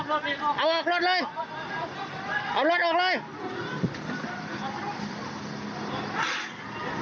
เอาออกรถอีกเอาออกรถเลย